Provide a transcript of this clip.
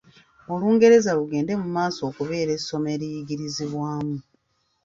Olungereza lugende mu maaso n’okubeera essomo eriyigiririzibwamu.